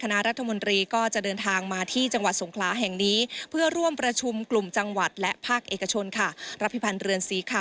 คณะรัฐมนตรีก็จะเดินทางมาที่จังหวัดสงคราแห่งนี้เพื่อ